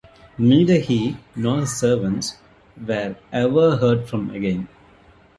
Neither he, nor his servants, were ever heard from again.